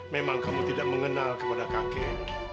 memang kamu tidak mengenal kepada kakek